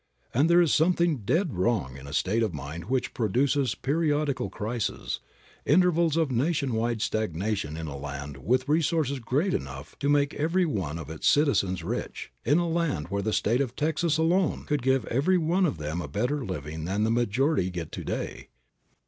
And there is something dead wrong in a state of mind which produces periodical crises, intervals of nationwide stagnation in a land with resources great enough to make every one of its citizens rich, in a land where the State of Texas alone could give every one of them a better living than the majority get to day.